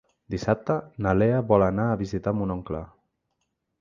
Dissabte na Lea vol anar a visitar mon oncle.